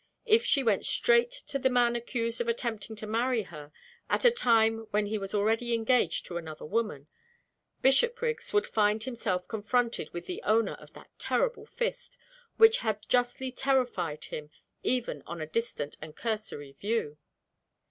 If she went straight to the man accused of attempting to marry her, at a time when he was already engaged to another woman Bishopriggs would find himself confronted with the owner of that terrible fist, which had justly terrified him even on a distant and cursory view.